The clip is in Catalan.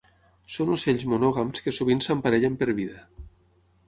Són ocells monògams que sovint s'emparellen per vida.